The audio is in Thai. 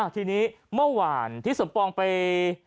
ทีนี้เมื่อวานที่สมปองไป